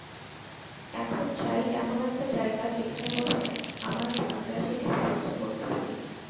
এখন চাই এমন একটা জায়গা, যেখানে বসে আমার ভাবরাশি লিপিবদ্ধ করতে পারি।